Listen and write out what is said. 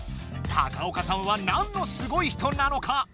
高岡さんは何のすごい人なのか？